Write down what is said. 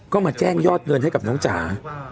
ก็มาแจ้งยอดเงินให้กับน้องจ๋า